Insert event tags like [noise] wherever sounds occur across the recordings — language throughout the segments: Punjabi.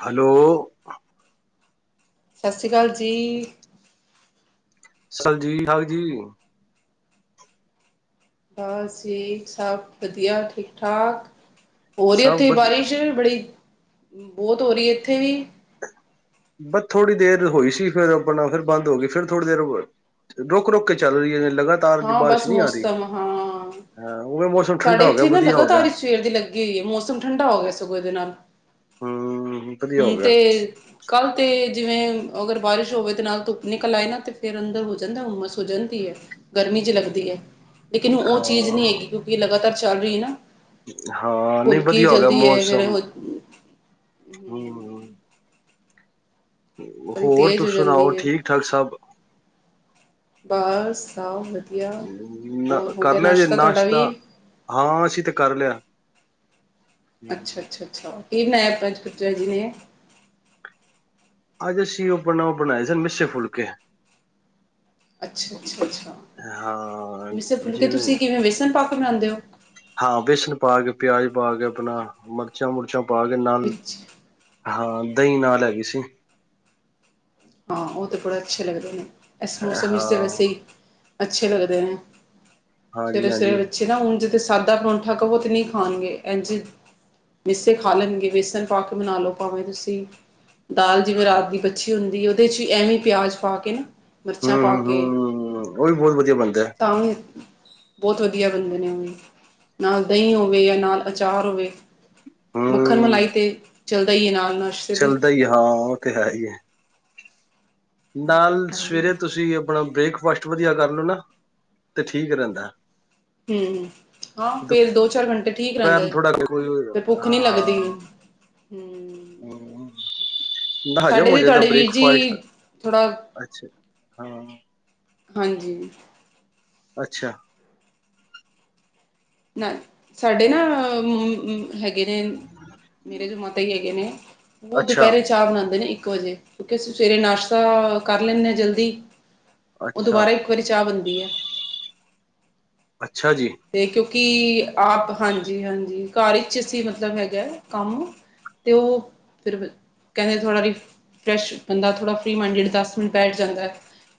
ਹਲੋ ਸਾਸੀ ਕਾਲ, ਜੀ ਸਡ ਜੀ ਹਾਲ ਜੀ ਬਸ, ਜੀ ਸਭ ਵਧੀਆ, ਠੀਕ-ਠਾਕ। ਹੋ ਰਹੀ ਸਭ ਉੱਥੇ ਵਧੀ ਬਾਰਿਸ਼ ਬੜੀ ਬਹੁਤ ਹੋ ਰਹੀ ਇੱਥੇ ਵੀ ਬਸ ਥੋੜ੍ਹੀ ਦੇਰ ਹੋਈ ਸੀ ਫਿਰ ਆਪਣਾ ਫਿਰ ਬੰਦ ਹੋ ਗਈ ਫੇਰ ਥੋੜ੍ਹੀ ਦੇਰ ਰੁਕ-ਰੁਕ ਕੇ ਚੱਲ ਰਹੀ ਹੈ ਲਗਾਤ ਹਾਂ ਬਸ ਮੌਸਮ ਹਾਂ, ਹਾਂ ਉਵੇਂ ਮੌਸਮ ਸਾਡੇ ਠੰਡਾ ਹੋ ਗਿਆ ਇੱਥੇ ਨਾ ਵਧੀਆ ਹੋ ਗਿਆ ਲਗਾਤਾਰ ਸਵੇਰ ਦੀ ਲੱਗੀ ਹੋਈ ਹੈ, ਮੌਸਮ ਠੰਡਾ ਹੋ ਗਿਆ ਸਗੋਂ ਦੇ ਨਾਲ, ਹੂੰ ਵਧੀਆ ਹੁਣ ਹੋ ਗਿਆ ਤੇ, ਕੱਲ੍ਹ ਤਾਂ ਜਿਵੇਂ ਅਗਰ ਬਾਰਿਸ਼ ਹੋਵੇ ਤਾਂ ਨਾਲ ਧੁੱਪ ਨਿਕਲ ਆਏ ਨਾ, ਤਾਂ ਫਿਰ ਅੰਦਰ ਹੋ ਜਾਂਦਾ ਉਮਸ ਹੋ ਜਾਂਦੀ ਹੈ। ਗਰਮੀ ਚ ਲੱਗਦੀ ਐ, ਲੇਕਿਨੁ ਉਹ ਚੀਜ਼ ਹਾਂ। ਨਈ ਹੈਗੀ, ਕਿਉਂਕਿ ਲਗਾਤਾਰ ਚੱਲ ਰਈ ਆ ਨਾ। ਹਾਂ ਨਈ ਹਲਕੀ ਵਧੀਆ ਹੋ ਗਿਆ, ਚਲਦੀ ਹੈ ਫਿਰ ਮੌਸਮ ਹੂੰ ਕਦੀ ਹੋਰ, ਤੁਸੀਂ ਸੁਣਾਓ, ਠੀਕ-ਠਾਕ ਸਭ? ਬਾਸ ਸਭ ਵਧੀਆ। ਨਾ ਹੋ ਕਰ ਗਿਆ ਲਿਆ ਜੇ ਨਸ਼ਤਾ ਤੁਹਾਡਾ ਨਾਸ਼ਤਾ ਵੀ? ਹਾਂ, ਅਸੀਂ ਤੇ ਕਰ ਲਿਆ। ਅੱਛਾ, ਅੱਛਾ, ਅੱਛਾ ਕੀ ਬਣਾਇਆ ਪੰਕੁ ਜੀ ਨੇ? ਅੱਜ ਅਸੀਂ, ਉਹ ਬਣਾਓ ਬਣਾਏ ਸੀ, ਮਿਸ ਫੁਲਕੇ। ਅੱਛਾ, ਅੱਛਾ, ਅੱਛਾ ਹਾਂ ਮਿਸ ਫੁਲਕੇ, ਜਿਵੇਂ ਤੁਸੀਂ ਕਿਵੇਂ ਬੇਸਨ ਪਾ ਕੇ ਬਣਾਦੇ ਓ? ਹਾਂ, ਬੇਸਣ ਪਾ ਕੇ, ਪਿਆਜ ਪਾ ਕੇ, ਆਪਣਾ ਮਿਰਚਾਂ ਮੁੁਰਚਾਂ ਪਾ ਕੇ, ਨਲ ਵਿੱਚ ਹਾਂ, ਦਈਂ ਨਾਲ ਹੈਗੀ ਸੀ। ਹਾਂ, ਓ ਤਾਂ ਬੜਾ ਅੱਛੇ ਲਗਦੇ ਨੇ, ਇਸ ਹਾਂ ਮੌਸਮ ਵਿੱਚ ਤਾਂ ਵੈਸੇ ਈ ਅੱਛੇ ਲੱਗਦੇ ਨੇ, ਹਾਂਜੀ ਹਾਂਜੀ ਸਵੇਰੇ-ਸਵੇਰੇ ਹੂੰ ਬੱਚੇ ਨਾ, ਊ ਜੇ ਸਾਦਾ ਪਰੌਂਠਾ ਕੋ ਨਈ ਖਾਨਗੇ, ਇਜ ਮੀਸੇ ਖਾ ਲੈਣਗੇ, ਬੇਸਣ ਪਾ ਕੇ ਬਨਾ ਲਓ, ਭਾਵੇਂ ਤੁਸੀਂ ਦਾਲ ਜਿਵੇਂ, ਰਾਤ ਦੀ ਬਚੀ ਹੁੰਦੀ ਵਿੱਚ ਐਵੇਂ ਪਿਆਜ਼ ਪਾ ਕੇ ਨਾ ਮਿਰਚਾਂ ਪਾ ਹੂੰ ਕੇ, ਹੂੰ ਉਹ ਵੀ ਬਹੁਤ ਵਧੀਆ ਬਣਦਾ ਹੈ। ਤਾਂ ਵੀ ਬਹੁਤ ਵਦੀਆ ਬਨਦੇਂ ਨੇ, ਓਵੀ ਨਾਲ ਦਹੀਂ ਹੋਵੇ ਜਾਂ ਨਾਲ ਆਚਾਰ ਹੋਵੇ ਹੂੰ ਮੱਖਣ-ਮਲਾਈ ਤੇ ਚੱਲਦਾ ਈਏ ਨਾਲ-ਨਾਲ ਚੱਲਦਾ ਈ ਹਾਂ ਉਹ ਤੇ ਹੈ ਈ ਐ। ਹਾਂਜੀ ਨਾਲ ਹਾਂਜੀ ਸਵੇਰੇ ਤੁਸੀਂ ਆਪਣਾ ਬ੍ਰੇਕਫਾਸਟ ਵਧੀਆ ਕਰ ਲਓ ਨਾ ਤੇ ਠੀਕ ਰਹਿੰਦਾ। ਹੂੰ-ਹਾਂ ਫੇਰ ਦੋ, ਚਾਰ ਗੰਟੇ ਠੀਕ ਰਹਿੰਦਾ ਦੁਪਹਿਰ ਐ। ਥੋੜਾ ਕੋਈ ਤੇ ਭੁੱਖ ਨੀ ਲੱਗਦੀ ਹਾਂ ਹੂੰ। ਨਾ ਹਜ਼ਮ ਸਾਡੇ ਹੋ ਤੇ ਜਾਂਦਾ ਤੁਹਾਡੇ ਵੀਰ ਜੀ ਬ੍ਰੇਕਫਾਸਟ ਥੋੜਾ ਅੱਛਾ ਹਾਂ ਹਾਂਜੀ। ਅੱਛਾ। ਨਾ ਸਾਡੇ ਨਾ- [unintelligible] ਹੈਗੇ ਨੇ ਮੇਰੇ ਜੋ ਮਾਤਾ ਹੀ ਹੈਗੇ ਨੇ, ਉਹ ਅੱਛਾ ਦੁਪਹਿਰੇ 'ਚ- ਚਾਹ ਬਣਾਦੇ ਨੇ ਇਕ ਵਜੇ ਕਿਉਕਿ ਅਸੀ ਸਵੇਰੇ ਨਾਸ਼ਤਾ ਕਰ ਲੈਨੇ ਆ ਜਲਦੀ ਓ ਦੁਬਾਰਾ ਅੱਛਾ ਇਕ ਵਾਰੀ ਚਾਹ ਬਣਦੀ ਆ ਅੱਛਾ ਜੀ ਤੇ ਕਿ ਕਿ ਆਪ ਹਾਂਜੀ-ਹਾਂਜੀ ਘਰ ਵਿਚ ਅ ਮਤਲਬ ਹੈਗਾ ਕਮ ਤੇ ਉਹ ਫਿਰ ਕਹਿਦੇ ਥੋੜ੍ਹਾ ਰੀ- ਫਰੈਸ਼ ਬੰਦਾ ਥੋੜ੍ਹਾ ਫ੍ਰਰੀ ਮਾਈੰਡ ਦਸ ਮਿੰਟ ਬੈਠ ਜਾਂਦਾ ਐ।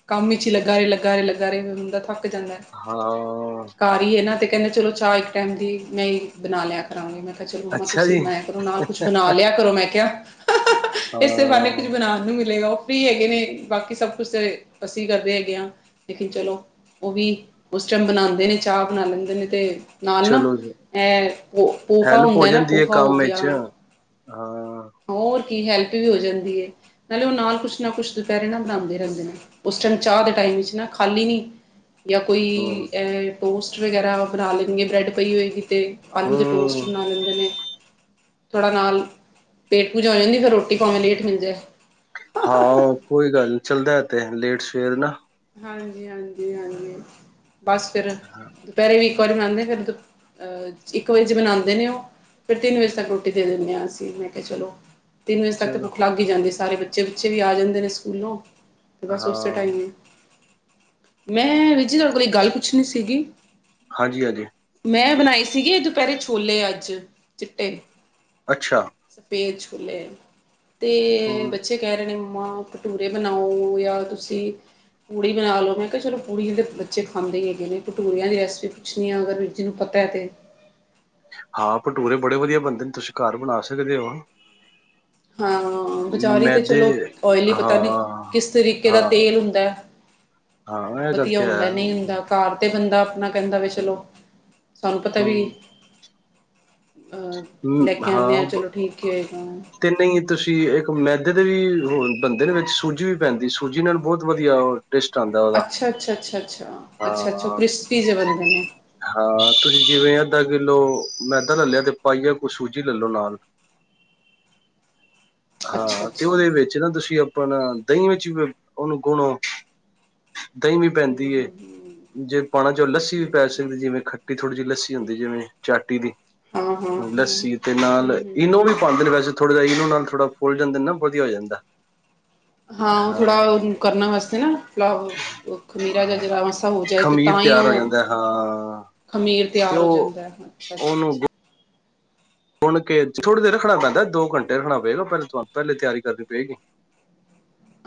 ਕਮ ਵਿਚ ਹੀ ਲੱਗਾ ਰਏ, ਲੱਗਾ ਰਏ, ਲੱਗਾ ਰੇ ਬੰਦਾ ਥੱਕ ਜਾਦਾ ਹਾਂ ਘਰ ਈ ਐ ਨਾ ਤੇ ਕਹਿਦੇ ਚਲੋ ਚਾਹ ਇਕ ਟਾਈਮ ਦੀ ਮੈ ਬਨਾ ਲਿਆ ਕਰਾਂਗੇ ਮੈ ਕਿਹਾ ਚਲੋ ਮੰਮਾ ਅੱਛਾ ਤੁਸੀ ਜੀ ਬਣਾਇਆ ਕਰੋ, ਨਾਲ ਕੁਛ ਬਣਾ ਲਿਆ ਕਰੋ ਮੈ ਕਿਹਾ ਇਸੇ ਬਹਾਨੇ ਕੁੱਝ ਹਾਂ ਬਣਾਣ ਨੂੰ ਮਿਲੇਗਾ ਓ ਫਰੀ ਹੈਗੇ ਨੇ ਬਾਕੀ ਸਭ ਕੁਛ ਤੇ ਅਸੀ ਕਰਦੇ ਹੈਗੇ ਆ। ਲੇਕਿਨ ਚਲੋ ਓਵੀ ਉਸ ਟਾਈਮ ਬਣਾਉਦੇ ਨੇ ਚਾਹ ਬਣਾ ਲੈਦੇ ਨੇ ਤੇ ਨਾਲ ਨਾ ਚਲੋ ਜੀ ਇਹ ਪੋਹਾ ਹੈਲਪ ਹੋ ਹੁੰਦਾ ਨਾ, ਜਾਂਦੀ ਹੈ ਪੋਹਾ ਹੋ ਕੰਮ ਗਿਆ। ਵਿੱਚ ਹਾਂ। ਹੋਰ ਕੀ, ਹੈਲਪ ਵੀ ਹੋ ਜਾਦੀ ਏ। ਨਾਲੇ ਉਹ ਨਾਲ ਕੁਛ ਨਾ ਕੁਛ ਦੁਪਹਿਰੇ ਨਾ ਬਣਾਦੇ ਰਹਿਦੇ ਨੇ, ਉਸ ਟਾਈਮ ਚਾਹ ਦੇ ਟਾਈਮ ਵਿਚ ਨਾ ਖਾਲੀ ਨਹੀ ਜਾਂ ਕੋਈ ਹਮ ਪੋਸਟ ਵਗੈਰਾ ਬਣਾ ਲੈਣਗੇ, ਬ੍ਰੈਡ ਪਈ ਹੋਏਗੀ। ਤੇ ਆਲੂ ਦੇ ਹਮ ਟੋਸਟ ਬਣਾ ਲੈਂਦੇ ਨੇ, ਥੋੜ੍ਹਾ ਨਾਲ ਪੇਟ ਪੂਜਾ ਹੋ ਜਾਂਦੀ ਦੀ ਫਿਰ ਰੋਟੀ ਪਾਵੇਂ ਲੇਟ ਮਿਲ ਜਾਏ। ਹਾਂ ਕੋਈ ਗੱਲ ਨੀ, ਚੱਲਦਾ ਤੇ ਲੇਟ ਸਵੇਰ ਨਾ ਹਾਂਜੀ-ਹਾਂਜੀ- ਹਾਂਜੀ, ਬਸ ਫਿਰ ਦੁਪਹਿਰੇ ਵੀ ਇੱਕ ਵਾਰੀ ਬਣਾਦੇ ਫਿਰ ਦੁ ਅਹ ਇੱਕ ਵਜੇ ਬਨਾਦੇ ਉਹ ਫਿਰ ਤਿੰਨ ਵਜੇ ਤੱਕ ਰੋਟੀ ਦੇ ਦਿਦੇ ਹਾਂ ਅਸੀ, ਮੈ ਕਿਹਾ ਚਲੋ ਤਿੰਨ ਵਜੇ ਤੱਕ ਤਾਂ ਚਲੋ ਭੁੱਖ ਲੱਗ ਹੀ ਜਾਂਦੀ ਏ, ਸਾਰੇ ਬੱਚੇ-ਬੁੱਚੇ ਵੀ ਆ ਜਾਂਦੇ ਨੇ ਸਕੂਲੋਂ ਤੇ ਬਸ ਉਸੇ ਹਾਂ ਟਾਈਮ ਮੈਂ ਵੀਰ ਜੀ ਤੁਹਾਡੇ ਕੋਲ ਗੱਲ ਪੁੱਛਣੀ ਸੀਗੀ ਹਾਂਜੀ-ਹਾਂਜੀ। ਮੈਂ ਬਣਾਈ ਸੀਗੀ ਦੁਪਹਿਰੇ ਛੋਲੇ ਅੱਜ ਚਿੱਟੇ ਅੱਛਾ। ਪੇਚ ਖੁੱਲੇ ਤੇ ਹਮ ਬੱਚੇ ਕਹਿ ਰਹੇ ਨੇ ਮੰਮਾ ਭਟੂਰੇ ਬਣਾਓ ਯਾਰ ਤੁਸੀ- ਪੂੜੀ ਬਣਾ ਲਓ, ਮੈ ਕਿਹਾ ਚਲੋ ਪੂੜੀ ਜਿਹੜੇ ਬੱਚੇ ਖਾਂਦੇ ਹੀ ਹੈਗੇ ਨੇ, ਭਟੂਰੀਆਂ ਦੀ ਰੈਸਪੀ ਪੁੱਛਣੀ ਆ ਅਗਰ ਵੀਰਜੀ ਨੂੰ ਪਤਾ ਐ ਤੇ ਹਾਂ ਭਟੂਰੇ ਬੜੇ ਵਧੀਆ ਬਣਦੇ ਨੇ ਤੁਸੀ ਘਰ ਬਣਾ ਸਕਦੇ ਹੋ। ਹਾਂ ਬਜ਼ਾਰੀ ਤਾਂ ਮੈਦੇ ਚਲੋ ਓਇਲੀ ਪਤਾ ਨਈ ਹਾਂ ਕਿਸ ਤਰੀਕੇ ਦਾ ਹਾਂ ਤੇਲ ਹੁੰਦਾ ਹਾਂ ਇਹ ਗੱਲ ਵਧੀਆ ਤੇ ਹੈ ਹੁੰਦਾ ਨਈ ਹੁੰਦਾ। ਘਾਰ ਤੇ ਬੰਦਾ ਆਪਣਾ ਕਹਿਦਾ ਵੀ ਚਲੋ ਸਾਨੂੰ ਪਤਾ ਵੀ ਹਮ ਅਹ ਲੈ ਕੇ ਆਂਦੇ ਆ, ਚਲੋ ਠੀਕ ਹੀ ਹੋਏਗਾ। ਅਤੇ ਨਈ ਤੁਸੀ ਇਕ ਮੈਦੇ ਦੇ ਵੀ ਹੋ ਬੰਦੇ ਨੇ ਵਿਚ ਸੂਜੀ ਵੀ ਪੈਦੀ, ਸੂਜੀ ਨਾਲ ਬਹੁਤ ਵਧੀਆ ਟੇਸਟ ਆਂਦਾ। ਅੱਛਾ-ਅੱਛਾ-ਅੱਛਾ-ਅੱਛਾ-ਅੱਛਾ-ਅੱਛਾ ਕ੍ਰਿਸਪੀ ਜਿ ਬੰਦੇ ਨੇ ਹਾਂ ਤੁਸੀ ਜਿਵੇ ਅਧਾ ਕਿਲੋ ਮੈਦਾ ਲੈ ਲਿਆ ਤੇ ਪਾਈਆ ਕੁ ਸੂਜੀ ਲੈ ਲੋ ਨਾਲ ਅੱਛਾ ਹਾਂ ਤੇ ਅੱਛਾ ਉਹਦੇ ਵਿਚ ਨਾ ਤੁਸੀ ਆਪਣਾ ਦਹੀ ਵਿਚ ਉਹਨੂੰ ਗੁਨੋ ਦਹੀਂ ਵੀ ਹਮ ਪੈਦੀ ਐ। ਹਮ ਹਮ ਜੇ ਪਾਣਾ ਚਾਹੋ ਲੱਸੀ ਵੀ ਹਾਂ ਪੈ ਸਕਦੀ ਜਿਵੇ ਖੱ ਥੋੜ੍ਹੀ ਜਿਹੀ ਲੱਸੀ ਹੁੰਦੀ ਏ, ਜਿਵੇ ਚਾਟੀ ਦੀ ਹਾਂ ਹਾਂ ਹੂੰ ਹੂੰ ਲੱਸੀ ਤੇ ਨਾਲ ਇਨੂੰ ਵੀ ਹੂੰ ਪਾਂਦੇ ਨੇ ਵੈਸੇ ਥੋੜ੍ਹੇ ਜਹੇ ਇਨੂੰ ਨਾਲ ਥੋੜਾ ਫੁੱਲ ਜਾਦੇ ਨਾ ਵਧੀਆ ਹੋ ਜਾਦਾ। ਹਾਂ ਉਹ ਥੋੜਾ ਕਰਨਾ ਵਾਸਤੇ ਨਾ ਆਟਾ ਖਮੀਰਾ ਹਾਂ ਜਾਂ ਹੋ ਜਾਏ ਤੇ ਖਮੀਰ ਤਾਂ ਹੀ ਤਿਆਰ ਹੋ ਉਹ ਜਾਂਦਾ ਹਾਂ ਖਮੀਰ ਤੇ ਤਿਆਰ ਹੋ ਉਹ ਜਾਦਾ ਏ, ਅੱਛਾ-ਅੱਛਾ। ਗੁੰਨ ਕੇ ਥੋੜੀ ਦੇਰ ਰੱਖਣਾ ਪੈਂਦਾ, ਦੋ ਘੰਟੇ ਰੱਖਣਾ ਪਏਗਾ ਪਹਿਲ ਤੁਹਾਨੂੰ ਪਹਿਲੇ ਤਿਆਰੀ ਕਰਨੀ ਪਏਗੀ।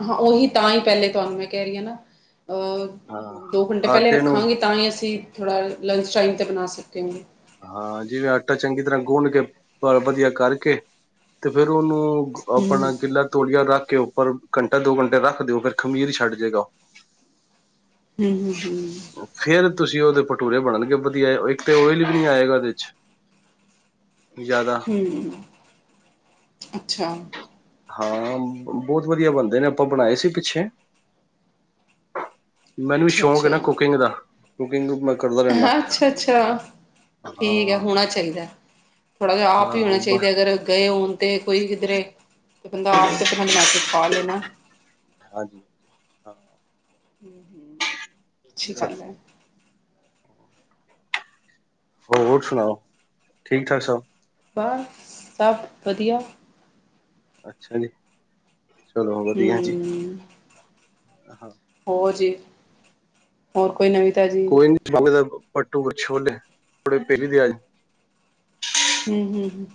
ਹਾਂ ਉਹੀ ਤਾਂ ਹੀ ਪਹਿਲੇ ਤੁਹਾਨੂੰ ਮੈਂ ਕਹਿ ਰਹੀ ਹਾਂ ਨਾ, ਅਹ ਹਾਂ ਦੋ ਘੰਟੇ ਪਹਿਲੇ ਆਟੇ ਨੂੰ ਰੱਖਾਂਗੇ ਤਾਂ ਹੀ ਅਸੀਂ ਥੋੜਾ ਲੰਚ ਟਾਈਮ ਤੇ ਬਣਾ ਸਕੇਗੇ। ਹਾਂ ਜਿਵੇਂ ਆਟਾ ਚੰਗੀ ਤਰ੍ਹਾਂ ਗੁੰਣ ਕੇ ਵਧੀਆ ਕਰਕੇ ਤੇ ਫੇਰ ਉਹਨੂੰ ਹੂੰ ਆਪਣਾ ਗਿੱਲਾ ਤੋਲੀਆ ਰੱਖ ਕੇ ਉੱਪਰ ਘੰਟਾ-ਦੋ ਘੰਟੇ ਰੱਖ ਦਿਓ ਫੇਰ ਖ਼ਮੀਰ ਛੱਡ ਜੇਗਾ। ਹੂੰ-ਹੂੰ-ਹੂੰ‌। ਫੇਰ ਤੁਸੀਂ ਉਹਦੇ ਪਟੂਰੇ ਬਣਨਗੇ ਵਧੀਆ ਇੱਕ ਤੇ ਓਇਲੀ ਨੀ ਆਏਗਾ ਉਹਦੇ ਚ, ਜਿਆਦਾ ਹੂੰ, ਅੱਛਾ। ਹਾਂ, ਬਹੁਤ ਵਧੀਆ ਬੰਦੇ ਨੇ ਆਪਾਂ ਬਣਾਏ ਸੀ ਪਿੱਛੇ। ਮੈਨੂੰ ਵੀ ਅੱਛਾ ਸ਼ੌਕ ਏ ਨਾ ਅੱਛਾ ਕੁਕਿੰਗ ਦਾ, ਕੁਕਿੰਗ ਮੈਂ ਕਰਦਾ ਰਹਿੰਦਾ ਅੱਛਾ-ਅੱਛਾ। ਠੀਕ ਐ, ਹਾਂ ਹੋਣਾ ਚਾਹੀਦਾ ਥੋੜ੍ਹਾ ਜਿਹਾ ਆਪ ਹੀ ਹੋਣਾ ਹਾਂ ਚਾਹੀਦਾ ਅਗਰ ਗਏ ਹੋਣ ਤੇ ਕੋਈ ਕਿਧਰੇ ਬੰਦਾ ਆਪ ਤੇ ਆਪਣਾ ਬਣਾ ਕੇ ਖਾ ਲੈਣਾ। ਹਾਂਜੀ ਹਾਂ ਹੂੰ, ਹੂੰ। ਅੱਛਾ, ਹੋਰ ਸੁਣਾਓ? ਠੀਕ ਠਾਕ ਸਬ, ਬਸ ਸਭ ਵਧੀਆ, ਅੱਛਾ ਜੀ ਚਲੋ ਵਧੀਆ ਜੀ। ਹੂੰ [inaudible] ਹੋਰ ਜੀ ਹੋਰ ਕੋਈ ਨਵੀ ਤਾਜੀ। ਦਾ ਪੱਠੂਰੇ ਛੋਲੇ ਦੀ ਪਲੇਟ ਕਿਨੇ ਦੀਆਦੀ ਹੂੰ-ਹੂੰ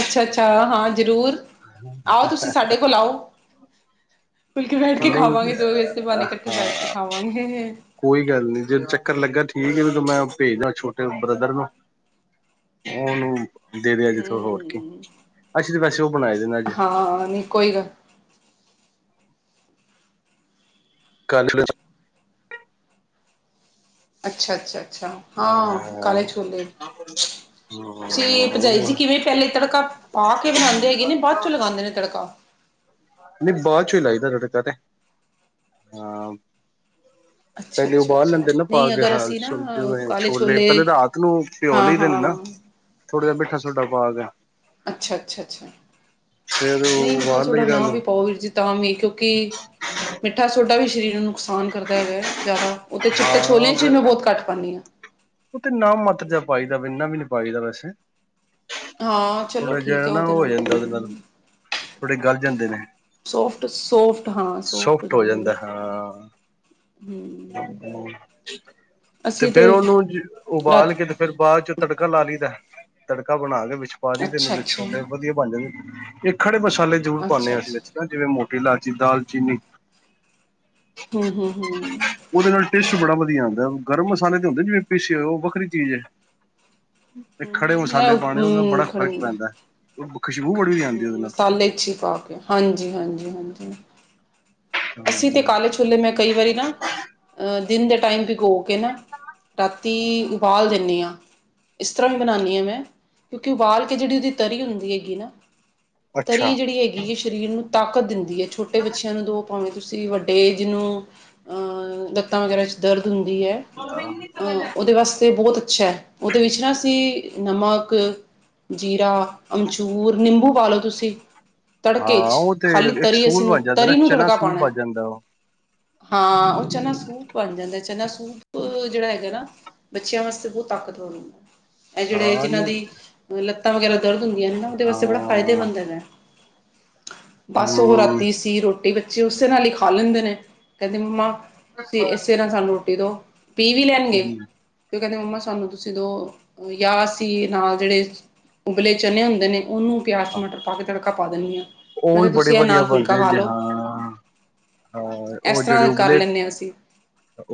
ਅੱਛਾ-ਅੱਛਾ, ਹਾਂ ਜ਼ਰੂਰ ਆਓ ਤੁਸੀਂ ਸਾਡੇ ਕੋਲ ਆਓ, ਖੁਲ ਕੇ ਬੈਠ ਕੇ ਨਹੀਂ ਖਾਵਾਂਗੇ, ਜੋ ਵਸੇ ਪਾਾਨ ਇਕੱਠੇ ਹਾਂ ਬੈਠ ਕੇ ਖਾਵਾਂਗੇ। ਕੋਈ ਗੱਲ ਨੀ ਜਦੋਂ ਚੱਕਰ ਲੱਗਾ, ਠੀਕ ਜਦੋਂ ਮੈਂ ਭੇਜਦਾ ਛੋਟੇ ਬ੍ਰਦਰ ਨੂੰ ਉਹਨੂੰ ਦੇ ਦੇ ਅਜੇ ਥੋ ਹੋਰ ਕੇ ਹੂੰ, ਅੱਛ ਤੇ ਵੈਸੇ ਉਹ ਬਣਾਏ ਦੇਣਾ ਅੱਜ ਹਾਂ ਕੋਈ ਗੱਲ [unintelligible] ਅੱਛਾ-ਅੱਛਾ-ਅੱਛਾ, ਹਾਂ ਕਾਲੇ ਛੋਲੇ ਤੁਸੀਂ ਭਾਜੀ ਜੀ ਕਿਵੇਂ, ਪਹਿਲੇ ਤੜਕਾ ਪਾ ਕੇ ਬਣਾਉਂਦੇ ਹੈਗੇ, ਨੇ ਬਾਅਦ ਚੋਂ ਲਗਾਉਂਦੇ ਨੇ ਤੜਕਾ ਨਹੀਂ ਬਹੁਤ ਇਲਾਦਾ ਤੁਹਾਡੇ ਕਦੇ ਹਾਂ ਅੱਛਾ ਪਹਿਲੇ ਉਹ ਅੱਛਾ ਬਾਹਰ ਅੱਛਾ ਲੈਂਦੇ ਨਾ ਪਾ ਨਹੀਂ ਕੇ ਅਗਰ ਹਾਲ ਅਸੀਂ ਨਾ ਜਿਵੇਂ ਛੋਲੇ ਪਹਿਲੇ ਰਾਤ ਨੂੰ ਪਿਓ ਹਾਂ ਲਈ ਦੇ ਨੇ ਨਾ ਹਾਂ ਥੋੜ੍ਹਾ ਜਿਹਾ ਮਿੱਠਾ ਸੋਡਾ ਪਾ ਗਿਆ। ਅੱਛਾ, ਅੱਛਾ, ਅੱਛਾ, ਫੇਰ ਨਹੀਂ ਮਿੱਠਾ ਉਬਾਲ ਸੋਡਾ ਲਈਦਾ ਨਾ ਉਹਨੂੰ ਵੀ ਪਾਓ ਵੀਰ ਜੀ। ਤਾਂ ਵੀ ਕਿਉਂਕਿ ਮਿੱਠਾ ਸੋਡਾ ਵੀ ਸਰੀਰ ਨੂੰ ਨੁਕਸਾਨ ਕਰਦਾ ਹੈਗਾ ਜ਼ਿਆਦਾ। ਉਹ ਚਿੱਟੇ ਛੋਲੇ ਚ ਹੀ ਹਾਂ ਮੈਂ ਬਹੁਤ ਘੱਟ ਪਾਉਦੀ ਹਾਂ। ਉਹ ਤੇ ਨਾ ਮਤਜ ਪਾਈਦਾ, ਵ ਇੰਨਾ ਵੀ ਨ ਪਾਈਦਾ ਵੈਸੇ ਹਾਂ, ਚਲੋ ਥੋੜਾ ਜਾ ਠੀਕ ਹੈ ਨਾ ਉਹ ਉਹਦੇ ਹੋ ਨਾਲ ਜਾਂਦਾ, ਉਹਦੇ ਨਾਲ ਥੋੜੇ ਗਲ ਜਾਂਦੇ ਨੇ। ਸੋਫਟ-ਸੋਫਟ ਹਾਂ ਸੋਫਟ ਹੋ ਜਾਂਦੇ ਨੇ, ਤੇ ਫੇਰ ਉਹਨੂੰ ਉਬਾਲ ਰਾਤ ਕੇ ਫੇਰ ਬਾਅਦ ਚ ਤੜਕਾ ਲਾ ਲਈ ਦਾ, ਤੜਕਾ ਬਣਾ ਕੇ ਵਿੱਚ ਪਾ ਦਈਦਾ ਅੱਛਾ ਦਿਨ ਅੱਛਾ ਛੋਡੇ ਵਧੀਆ ਬਣ ਜਾਂਦੇ ਇਹ ਖੜੇ ਮਸਾਲੇ ਜ਼ਰੂਰ ਪਾਉਂਦੇ ਅੱਛਾ ਹਾਂ, ਅਸੀਂ ਅੱਛਾ ਵਿੱਚ ਜਿਵੇਂ ਮੋਟੀ ਇਲਾਚੀ ਦਾਲ ਚੀਨੀ ਹੂੰ-ਹੂੰ-ਹੂੰ, ਉਹਦੇ ਨਾਲ ਟੇਸਟ ਬੜਾ ਵਧੀਆ ਆਂਦਾ ਗਰਮ ਮਸਾਲੇ ਤੇ ਹੁੰਦੇ ਜਿਵੇਂ ਪੀਸੀ ਹੋ ਉਹ ਵੱਖਰੀ ਚੀਜ਼ ਹੈ। ਤੇ ਖੜੇ ਮਸਾਲੇ ਪਾਣੇ ਉਹ ਨਾਲ ਬੜਾ ਫ਼ਰਕ ਪੈਂਦਾ ਉਹ ਖੁਸ਼ਬੂ ਬੜੀ ਆਉਂਦੀ ਉਹਦੇ ਮਸਾਲੇ ਅੱਛੀ ਪਾ ਕੇ ਹਾਂਜੀ, ਹਾਂਜੀ, ਹਾਂਜੀ। ਅੱਸੀ ਤੇ ਨਾਲ ਕਾਲੇ ਛੋਲੇ ਐ, ਮੈਂ ਕਈ ਵਾਰੀ ਨਾ ਦਿਨ ਦੇ ਟਾਈਮ ਭਕੋ ਕੇ ਨਾ ਰਾਤੀ ਉਬਾਲ ਦਿੰਨੀ ਹਾਂ। ਇਸ ਤਰਾ ਵੀ ਬਨਾਨੀ ਆ, ਮੈਂ ਕਿਉਕਿ ਉਬਾਲ ਕੇ ਜੇੜੀ ਉਦੀ ਤਰੀ ਹੁੰਦੀ ਹੈਗੀ ਏਨਾ ਤਰੀ ਅੱਛਾ ਜੇੜੀ ਹੈਗੀ, ਏ ਸ਼ਰੀਰ ਨੂੰ ਤਾਕਤ ਦਿੰਦੀ ਏ, ਛੋਟੇ ਬੱਚਯਾ ਨੂੰ ਦੋ। ਪਾਵੇਂ ਤੁਸੀ ਵੱਡੇ ਜਿਨੂੰ ਅ ਲੱਤਾ ਵਗੈਰਾ ਚ ਦਰਦ ਹੁੰਦੀ ਐ ਅ ਹਾਂ ਓਦੇ ਵਾਸਤੇ ਬੋਤ ਅੱਛੈ, ਓਦੇ ਵਿੱਚ ਨਾ ਅਸੀ ਨਮਕ ਜੀਰਾ, ਆਮਚੂਰ, ਨਿੰਬੂ ਪਾ ਲੋ ਤੁਸੀ ਤੜਕੇ ਹਾਂ ਇੱਚ, ਉਹ ਤੇ ਖਾਲੀ ਇੱਕ ਤਰੀ ਸੂਪ ਅਸੀ ਨੂੰ, ਬਣ ਜਾਂਦਾ ਨਾ ਤਰੀ ਨੂੰ ਤੜ ਚਨਾ ਸੂਪ ਬਣ ਜਾਂਦਾ ਉਹ [unintelligible] ਹਾਂ, ਓ ਚਨਾ ਸੂਪ ਬਨ ਜਾਂਦਾ, ਚਨਾ ਸੂਪ ਜੇੜਾ ਹੈਗੈ, ਨਾ ਬੱਚਿਆ ਵਾਸਤੇ ਬੋਤ ਤਾਕਤਵਰ ਹੁੰਦਾ। ਐ ਜੇੜੇ ਹਾਂ ਜਿਨਾਂ ਨਹੀਂ ਦੀ ਲੱਤਾ ਵਗੈਰਾ ਦਰਦ ਹੁੰਦੀਆਂ ਨੇ ਨਾ, ਓਦੇ ਵਾਸਤੇ ਬੜਾ ਫਾਯਦੇ ਹਾਂ ਰੈਂਦੇ ਨੇ, ਬਾਸ ਓ ਰਾਤੀ ਸੀ ਰੋ ਰੋਟੀ ਬੱਚੇ ਓਸੇ ਨਾਲ ਈ ਖਾ ਲੈਂਦੇ ਨੇ, ਕੈਂਦੇ ਮੰਮਾ ਤੁਸੀ ਏਸੇ ਨਾਲ ਸਾਨੂੰ ਰੋਟੀ ਦੋ। ਪੀ ਵੀ ਲੈਨਗੇ। ਤੇ ਕੈਂਦੇ ਮੰਮਾ ਸਾਨੂੰ ਤੁਸੀ ਦੋ, ਯਾ ਅਸੀ ਨਾਲ ਜੇੜੇ ਉਬਲੇ ਚਨੇ ਹੁੰਦੇ ਨੇ। ਉਹਨੂੰ ਪਯਾਜ, ਟਮਾਟਰ ਵੱਧ ਤੜਕਾ ਪਾ ਦੇਂਨੀ ਆਂ। ਹੋਲ ਬੜੇ ਵਧੀਆ ਬਨਦੇ ਜੇ, ਹਾਂ ਹਾਂ, ਇਸ ਓ ਜੇੜੇ ਤਰ੍ਹਾਂ ਕਰ ਉਬਲੇ ਲੈਂਦੇ ਹਾਂ ਅਸੀਂ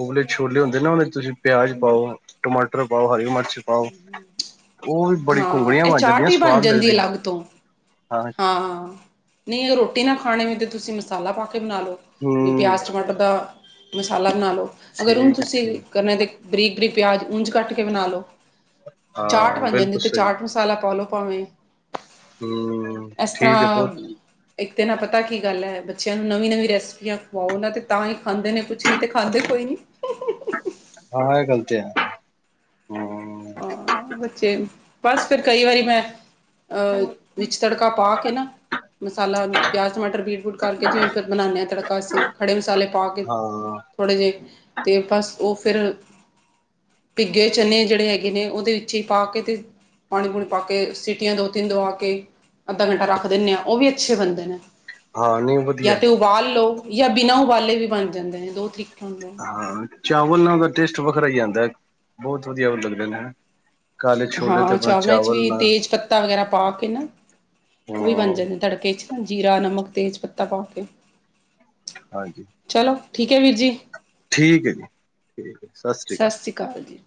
ਉਬਲੇ ਛੋਲੇ ਹੁੰਦੇ ਨਾ ਉਹਦੇ ਤੁਸੀਂ ਪਿਆਜ ਪਾਓ ਟਮਾਟਰ ਪਾਓ ਹਰੀ ਮਿਰਚ ਆ ਉਹ ਵੀ ਬੜੀ ਹਾਂ ਘੁੰਗਲੀਆਂ ਇਹ ਬਣ ਚਾਟ ਜਾਂਦੀਆਂ ਹੀ ਬਣ ਸਵਾਦ ਜਾਂਦੀ ਹੈ ਲੱਗਦੀ ਅਲੱਗ ਤੋਂ ਹਾਂ ਹਾਂ ਨਹੀਂ ਇਹ ਰੋਟੀ ਨਾ ਖਾਣੀ ਹੋ ਤਾਂ ਤੁਸੀਂ ਮਸਾਲਾ ਪਾ ਕੇ ਬਣਾ ਲਓ ਹੂ,,, ਪਯਾਜ, ਟਮਾਟਰ ਦਾ ਮਸਾਲਾ ਬਨਾ ਲੋ, ਅਗਰ ਹੁਣ ਠੀਕ ਹੈ ਤੁਸੀ ਠੀਕ ਗੰਨੇ ਦੀ ਬਰੀਕ-ਬਰੀਕ ਪਯਾਜ ਉਂਜ ਕੱਟ ਕੇ ਬਨਾ ਲੋ, ਚਾਟ ਹਾਂ ਬੰਨ ਜਾਂਦੀ, ਬਿਲਕੁਲ ਉਤੇ ਸਹੀ ਚਾਟ ਮਸਾ ਮਸਾਲਾ ਪਾਲੋ ਪਾਵੇਂ ਹੂ,,, ਇਸ ਤਰ੍ਹਾਂ ਇੱਕ ਤੇ ਨਾ ਪਤਾ ਕੀ ਗੱਲ ਹੈ, ਬੱਚਿਆਂ ਨੂੰ ਨਵੀ-ਨਵੀ ਰੈਸਪੀਆਂ ਖਵਾਓ ਓਨਾਂ ਤਾ ਈ ਖਾਂਦੇ ਨੇ, ਕੁੱਛ ਨੀ, ਤੇ ਖਾਂਦੇ ਕੋਈ ਨੀ। ਹਾਂ, ਐ ਗੱਲ ਤੇ ਹੈ। ਹਮ ਹਾਂ, ਬੱਚੇ ਬੱਸ ਫਿਰ ਕਈ ਵਾਰੀ, ਮੈਂ ਆ ਮਿਰਚ ਤੜਕਾ ਪਾ ਕੇ ਨਾ, ਮਸਾਲਾ ਪਯਾਜ਼, ਟਮਾਟਰ ਬੀਟ ਕਰਕੇ ਜਿਵੇਂ ਫਿਰ ਬਨਾਨੇ ਆ ਤੜਕਾ ਅਸੀਂ, ਖੜੇ ਮਸਾਲੇ ਪਾ ਕੇ ਹਾਂ ਥੋੜੇ ਜੇ ਤੇ ਬਸ ਓ ਫਿਰ ਪਿੱਗੇ ਚਨੇ ਜੇੜੇ ਹੈਗੇ ਹੈਗੇ ਨੇ ਓਦੇ ਵਿੱਚ ਈ ਪਾਕੇ ਤੇ ਪਾਨੀ-ਪੂਨੀ ਪਾ ਕੇ ਸਿਟੀਆਂ ਦੋ- ਤਿੰਨ ਦਵਾਕੇ ਅੱਧਾ ਘੰਟਾ ਰੱਖ ਦੇਨੇ ਆ, ਓ ਵੀ ਅੱਛੇ ਬਨਦੇ ਨੇ। ਹਾਂ ਨੀ ਜਾਂ ਵਧੀਆ। ਤਾਂ ਉਬਾਲ ਲੋ ਯਾ ਬਿਨਾ ਉਬਾਲੇ ਵੀ ਬਨ ਜਾਂਦੇ ਨੇ, ਦੋ ਠੀਕ ਹੁੰਦੇ ਨੇ। ਹਾਂ, ਚਾਵਲ ਨਾਲ ਟੇਸਟ ਵੱਖਰਾ ਈ ਆਂਦਾ ਬਹੁਤ ਵਧੀਆ ਲੱਗਦੇ ਨੇ। ਕਾਲੇ ਛੋਲੇ ਤੇ ਹਾਂ, ਆਪਣਾ ਚਾਵਲਾਂ ਇੱਚ ਚਾਵਲ ਵੀ ਨਾਲ ਤੇਜ਼ਪੱਤਾ ਵਗੈਰਾ ਪਾ ਕੇ ਨਾ, ਓ ਵੀ ਬਨ ਹਾਂ ਜਾਂਦੇ। ਤੜਕੇ ਚ ਨਾ ਜੀਰਾ, ਨਮਕ, ਤੇਜ਼ਪੱਤਾ ਪਾ ਕੇ ਹਾਂਜੀ। ਚਲੋ, ਠੀਕ ਹੈ ਵੀਰ ਜੀ। ਠੀਕ ਏ ਜੀ। ਠੀਕ ਸਤਿ ਸ਼੍ਰੀ ਸਤਿ ਅਕਾਲ ਜੀ।